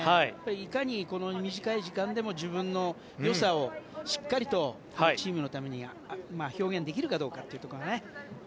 いかに短い時間でも自分のよさをしっかりとチームのために表現できるかどうかというところがね。